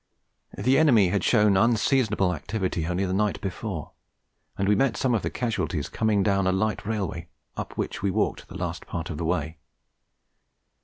The enemy had shown unseasonable activity only the night before, and we met some of the casualties coming down a light railway, up which we walked the last part of the way.